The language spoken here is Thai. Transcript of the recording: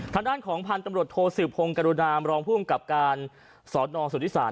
ทางด้านของพันธุ์ตำรวจโทสืบพงศ์กรุณามรองภูมิกับการสอนอสุทธิศาส